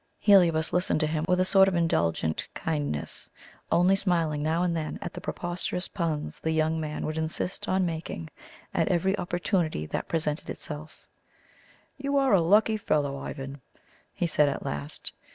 Heliobas listened to him with a sort of indulgent kindness, only smiling now and then at the preposterous puns the young man would insist on making at every opportunity that presented itself. "You are a lucky fellow, Ivan," he said at last.